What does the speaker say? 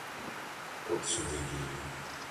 От сюди б її!